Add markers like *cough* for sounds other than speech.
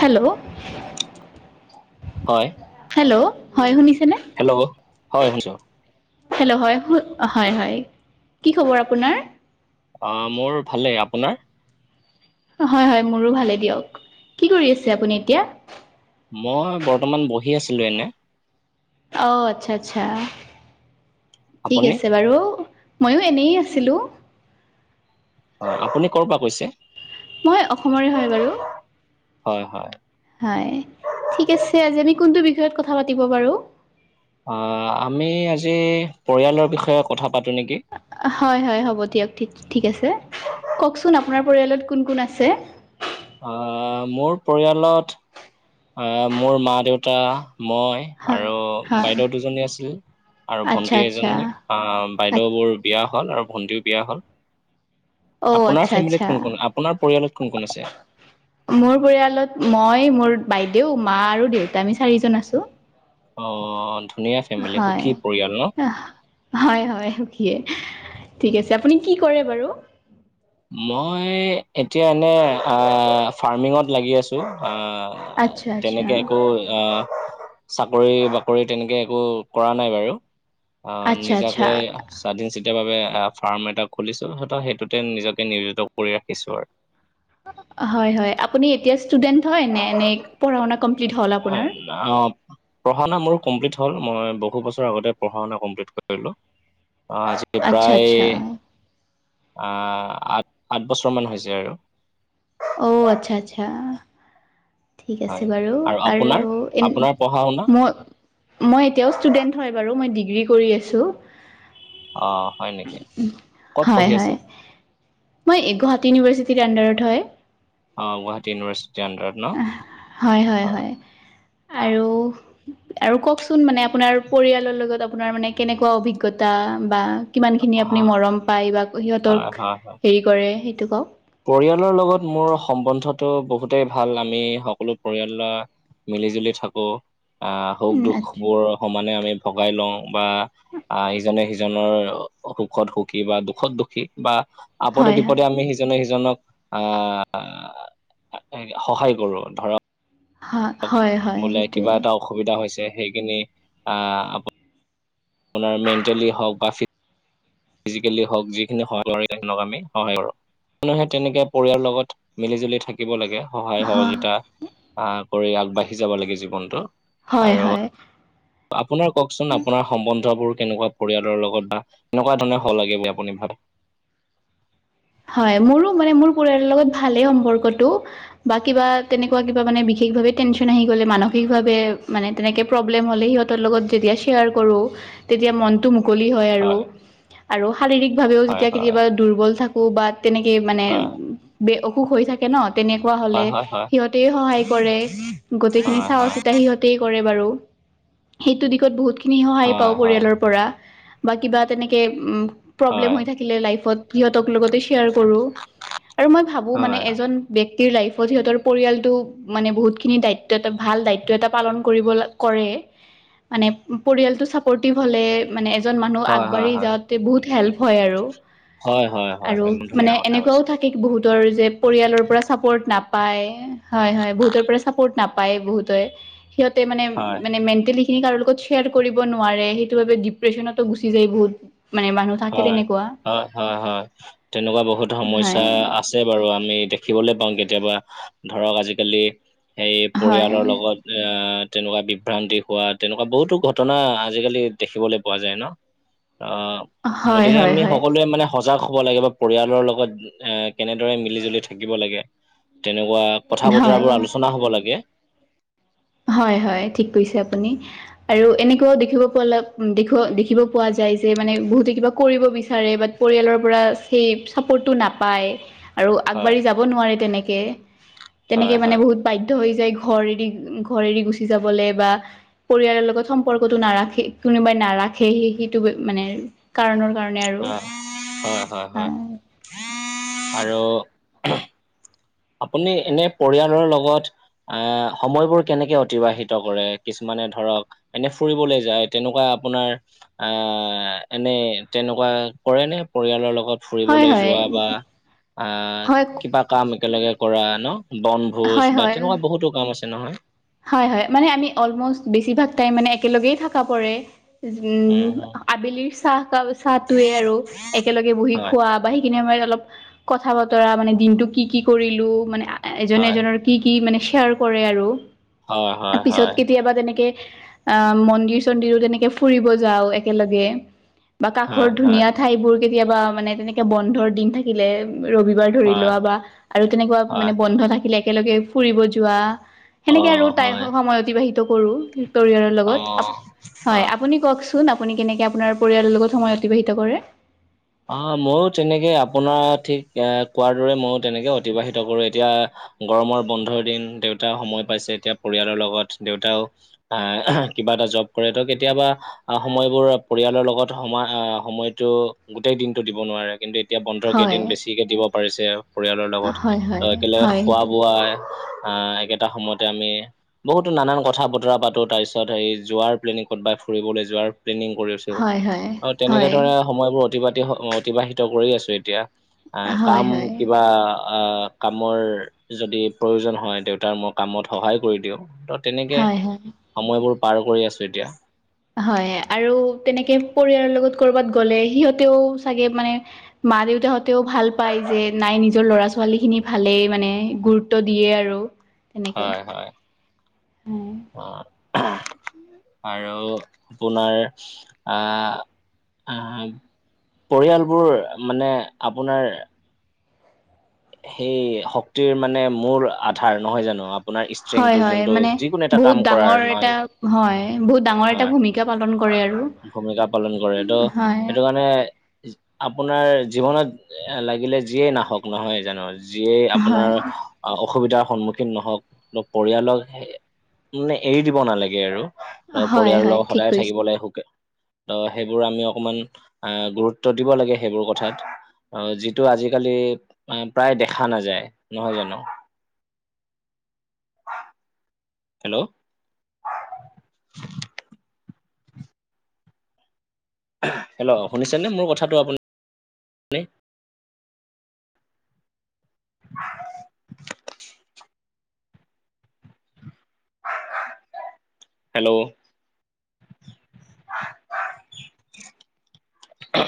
Hello, হয়। Hello, হয় শুনিছেনে? হেল্ল' হয় শুনিছো। হেল্ল' হয়, হো হয় হয় কি খবৰ আপোনাৰ? অঁ মোৰ ভালে আপোনাৰ? হয় হয় মোৰো ভালেই দিয়ক। কি কৰি আছে আপুনি এতিয়া? মই বৰ্তমান বহি আছিলো এনেই। অঁ আচ্ছা আচ্ছা ঠিক আপুনি? আছে বাৰু। ময়ো এনেই আছিলোঁ। অ, আপুনি কৰ'ৰ পৰা কৈছে? মই অসমৰে হয় বাৰু। হয় হয়। হয় ঠিক আছে, আজি আমি কোনটো বিষয়ত কথা পাতিব বাৰু? অ আমি আজি পৰিয়ালৰ বিষয়ে কথা পাতো নেকি? হয় হয় হ'ব দিয়ক ঠিক ঠিক আছে, কওকচোন আপোনাৰ পৰিয়ালত কোন কোন আছে? অ মোৰ পৰিয়ালত অ মোৰ মা দেউতা মই হয় আৰু হয় বাইদেউ দুজনী আছিল, আৰু আচ্ছা ভন্টি আচ্ছা এজনী আ বাইদেউবোৰ বিয়া হল আৰু ভন্টিও বিয়া হ'ল অঁ আপোনাৰ আচ্ছা ফেমিলত কোন আচ্ছা কোন আপোনাৰ পৰিয়ালত কোন কোন আছে? মোৰ পৰিয়ালত মই মোৰ বাইদেউ মা আৰু দেউতা আমি চাৰিজন আছো। অ ধুনীয়া ফেমিলি সুখী পৰিয়াল ন? হয়-হয় সুখিয়ে। ঠিক আছে আপুনি কি কৰে বাৰু? মই এতিয়া এনে আ ফাৰ্মিঙত লাগি আছো, আ আ আচ্ছা আচ্ছা তেনেকে একো আ চাকৰি-বাকৰি তেনেকে একো কৰা নাই বাৰু। অ', আচ্ছা আচ্ছা নিজাকৈ স্বাধীন চিতিয়া ভাবে আ ফাৰ্ম এটা খুলিছোঁ। হয়টো সেইটোতে নিজক নিয়োজিত কৰি ৰাখিছো আৰু। হয়-হয় আপুনি এতিয়া ষ্টুডেণ্ট হয় নে? এনে পঢ়া-শুনা *inaudible* অ, পঢ়া-শুনা মোৰ কমপ্লিট হ'ল। মই বহু বছৰ আগতে পঢ়া-শুনা কমপ্লিট কৰিলো। অ, আজি আচ্ছা প্ৰায় আচ্ছা আ আঠ, আঠ বছৰমান হৈছে আৰু। ঔ' আচ্ছা-আচ্ছা। ঠিক আছে হয় বাৰু। আপোনাৰ আৰু এন আপোনাৰ পঢ়া শুনা মই মই এতিয়াও ষ্টুডেণ্ট হয় বাৰু, মই ডিগ্ৰী কৰি আছোঁ। অ হয় নেকি *inaudible* ক'ত পঢ়ি আছে হয়-হয়। মই এ গুৱাহাটী ইউনিভাৰ্চিটিৰ আণ্ডাৰত হয়। অ গুৱাহাট ইউনিভাৰ্চিটি আণ্ডাৰত। ন এ হয়-হয়-হয় আৰু আৰু কওকচোন মানে, আপোনাৰ পৰিয়ালৰ লগত আপোনাৰ মানে, কেনেকুৱা অভিজ্ঞতা বা কিমানখিনি আপুনি হয় মৰম পায় বা হয় সিহঁতক হয় হয়। হেৰি কৰে সেইটো কওক। পৰিয়ালৰ লগত মোৰ সম্বন্ধটো বহুতেই ভাল, আমি সকলো পৰিয়ালৰ মিলি-জুলি থাকো, আহ উম সুখ-দুখ আচ্ছা বোৰ সমানে আমি ভগাই লওঁ বা আহ ইজনে সিজনৰ সুখত সুখী বা দুখত দুখী বা আপদে হয় হয় বিপদে আমি সি ইজনে-সিজনক আহ সহায় কৰো, ধৰক হয়-হয়। বোলে কিবা এটা অসুবিধা হৈছে সেইখিনি আহ আপোনাৰ মেণ্টেলি হওক বা ফি ফিজিকেলি হওক যিখিনি সহায় কৰে *unintelligible* আমি সহায় কৰো। মানুহে তেনেকে পৰিয়ালৰ লগত মিলি জুলি থাক থাকিব লাগে সহায় সহযোগিতা আহ কৰি আগবাঢ়ি যাব লাগে জীৱনটো। আৰু হয়-হয়। আপোনাৰ কওকচোন আপোনাৰ সম্বন্ধবোৰ কেনেকুৱা পৰিয়ালৰ লগত বা এনেকুৱা ধৰনে হ'ব লাগে বুলি আপুনি ভাবে? হয় মোৰো মানে মোৰ পৰিয়ালৰ লগত ভালেই সম্পৰ্কটো। বা কিবা তেনেকুৱা কিবা মানে বিশেষভাৱে টেনচন আহি গ'লে, মানসিকভাৱে মানে তেনেকে প্ৰব্লেম হ'লে সিহঁতৰ লগত যেতিয়া শ্বেয়াৰ কৰোঁ, তেতিয়া মনটো মুকলি হ হয় আৰু, আৰু শাৰীৰিক ভাৱেও হয় যেতিয়া হয় কেতিয়াবা দুৰ্বল থাকো বা তেনেকে মানে হয় বে অসুখ হৈ থাকে ন, তেনেকুৱা হ'লে হয় হয় সিহঁত সিহঁতেও সহায় কৰে, গোটেইখিনি চোৱা -চিতা হয় সিহঁতে তেই কৰে বাৰু, সেইটো দিশত বহুত খিনি সহায় পাওঁ হয় পৰিয়ালৰ পৰা। বা কিবা তেনেকে উ প্ৰব্লেম হৈ হয় থাকিলে লাইফত সিহঁত লগতে শ্বেয়াৰ কৰো, আৰু মই ভাবোঁ হয় মানে হয় এজন ব্যক্তিৰ লাইফত সিহঁতৰ পৰিয়ালটো মানে বহুত খিনি দায়িত্ব এটা ভাল দায়িত্ব এটা পালন কৰিব কৰে। মানে পৰিয়ালটো ছাপৰ্টিভ হ'লে মানে এজন মানুহ হয় হয় হয় হয় আগবাঢ়ি হয় যাওঁতে বহুত হেল্প হয় আৰু। হয়, হয়। হয় আৰু একদম ধুনীয়া মানে কথা এনেকুৱাও কৈছে থাকে বহুতৰ যে পৰিয়ালৰ পৰা চাপৰ্ট নাপায়, হয়, হয় বহুতৰ পৰা চাপৰ্ট নাপায় বহুতেই। সিহঁতে মানে, হয় মানে মেণ্টেলি খিনি কাৰো লগত শ্বেয়াৰ কৰিব নোৱাৰে, সেইটো বাবে ডিপ্ৰেশচনতো গুচি যায় বহুত মানে মানুহ থাকে হয়, তেনেকুৱা। হয়, হয়, হয়, তেনেকুৱা বহুত হয় সমস্যা আছে বাৰু আমি দেখিবলৈ পাওঁ কেতিয়াবা ধৰক আজিকালি সেই হয় পৰিয়ালৰ লগত আহ তেনেকুৱা বিভ্ৰান্তি হোৱা তেনেকুৱা বহুতো ঘটনা আজিকালি দেখিবলৈ পোৱা যায় ন। অ', হয় গতিকে হয় আমি হয় সকলোৱে মানে সজাগ হ'ব লাগে বা পৰিয়ালৰ লগত এ কেনেদৰে মিলি জুলি থাকিব লাগে তেনেকুৱা কথা- হয়, বতৰাবোৰ আলোচনা হ'ব লাগে। হয়, হয়, ঠিক কৈছে আপুনি। আৰু এনেকুৱাও দেখিব পা দেখিব, দেখিব পোৱা যায় যে মানে বহুতে কিবা কৰিব বিচাৰে বা পৰিয়ালৰ পৰা সেই চাপোৰ্টটো নাপায়। আৰু হয় আগবাঢ়ি যাব নোৱাৰে তেনেক, হয় তেনেকে মানে হয় বহুত বাধ্য হৈ যায় ঘৰ এৰি ঘৰ এৰি গুচি যাবলৈ বা পৰিয়ালৰ লগত সম্পৰ্কতটো নাৰাখে কোনোবাই নাৰাখে সেইটো মানে কাৰণৰ কাৰণে আৰু, অ হয়। আৰু আপুনি এনে পৰিয়ালৰ লগত আহ সময়বোৰ কেনেকে অতিবাহিত কৰে? কিছুমানে ধৰক এনে ফুৰিবলৈ যায় তেনেকুৱা আপোনাৰ আহ এনেই তেনেকুৱা কৰে নে পৰিয়ালৰ লগত হয়, ফুৰিবলৈ হয়, যোৱা বা আ হয়, কিবা কাম একেলগে কৰা ন বন্ধ ভোজ হয়, বা হয়। তেনেকুৱা বহুতো কাম আছে নহয়। হয়, হয়, মানে আমি অলমষ্ট বেছিভাগ টাইম মানে একেলগ থাকা পৰে। উম, আবেলিৰ চাহ কাপ চাহটোৱে আৰু একেলগে বহি হয় খোৱা। সেইখিনি সময়ত অলপ কথা বতৰা মানে দিনটো কি, কি কৰিলো মানে এজনে হয় এজনৰ কি, কি মানে শ্বেয়াৰ কৰে আৰু হয় হয় পিছত হয় কেতিয়াবা তেনেকে অ', মন্দিৰ চন্দিৰো তেনেকে ফুৰিব যাওঁ একেলগে। বা কাষৰ হয় হয় ধুনীয়া ঠাইবোৰ কেতিয়াবা মানে তেনেকে বন্ধৰ দিন থাকিলে ৰবিবাৰ ধৰি হয় লোৱা বা আৰু তেনেকুৱা হয় মানে বন্ধ থাকিলে একেলগে ফুৰিব যোৱা। অ সেনেকে আৰু তাই হয় সময় অতিবাহিত কৰো পৰিয়ালৰ অ লগত হয়, আপুনি কওঁক চোন আপুনি কেনেকৈ আপোনাৰ পৰিয়ালৰ লগত সময় অতিবাহিত কৰে? অ', ময়ো তেনেকে আপোনাৰ ঠিক কোৱাৰ দৰে ময়ো তেনেকে অতিবাহিত কৰো এতিয়া গৰমৰ বন্ধৰ দিন দেউতা সময় পাইছে এতিয়া পৰিয়ালৰ লগত দেউতাও আহ কিবা এটা জব কৰে তো কেতিয়াবা? আহ সময়বোৰ পৰিয়ালৰ লগত সময় আহ সময়তটো গোটেই দিনটো দিব নোৱাৰে কিন্তু। এতিয়া বন্ধৰ হয় কেইদিন বেছিকে দিব পাৰিছে পৰিয়ালৰ লগত। হয় ত হয় একেলগে হয় খোৱা সেইটো বোৱাই আহ একেটা সময়তে আমি। বহুতো নানান কথা বতৰা পাতো তাৰ পিছত সেই যোৱাৰ প্লেনিং ক'তবাই ফুৰিবলৈ যোৱাৰ প্লেনিং কৰিলোঁ। হয় হয় কৰিছো তেনেকে হয় ধৰা সময়বোৰ অতিবা অতিবাহিত কৰি আছো এতিয়া আহ হয় হয় কাম কিবা হয় কামৰ যদি প্ৰয়োজন হয় দেউতাৰ মই কামত সহায় কৰি দিওঁ ত- তেনেকে হয় সময়বোৰ পাৰ কৰি আছো এতিয়া। হয় আৰু তেনেকে পৰিয়ালৰ লগত কৰবাত গ'লে সিহঁতেও চাগে মানে মা দেউতাহঁতেও ভাল পায় যে নাই নিজৰ ল'ৰা ছোৱালীখিনি ভালেই মানে গুৰুত্ব দিয়ে আৰু তেনেকে হয় হয় উম। অ আৰু আপোনাৰ আহ আহ পৰিয়ালবোৰ মানে আপোনাৰ সেই শক্তিৰ মানে মূল আধাৰ, নহয় জানো? আপোনাৰ হয়, ষ্ট্ৰেংটো হয়, যোনটো মানে যিকোনো এটা বহুত কাম কৰাৰ ডাঙৰ এটা নহয় হয় বহুত ডাঙৰ হয় এটা ভূমিকা পালন কৰে আৰু ভূমিকা পালন কৰেটো হয় সেইটো কাৰণে আপোনাৰ জীৱনত এ লাগিলে যিয়েই নাহক নহয় জানো যিয়েই হয় আপোনাৰ অসুবিধাৰ সন্মুখীন নহওক পৰিয়ালক মানে এৰি দিব নালাগে আৰু আৰু হয় পৰিয়ালৰ হয় লগত ঠিক সদায়ে কৈছে থাকিব লাগ সুখে। ত সেইবোৰ আমি অকমান আহ গুৰুত্ব দিব লাগে সেইবোৰ কথাত। অ যিটো আজিকালি প্ৰায় দেখা নাযায় নহয় জানো। হেল্ল', হেল্ল' শুনিছানে মোৰ কথাটো আপুনি? হেল্ল', *unintelligible*